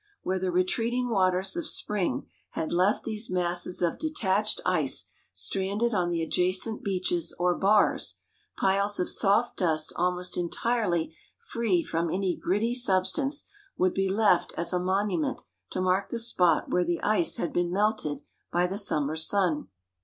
Where the retreating waters of spring had left these masses of detached ice stranded on the adjacent beaches or bars, piles of soft dust almost entirely free from any gritty substance would be left as a monument to mark the spot where the ice had been melted by the summer sun.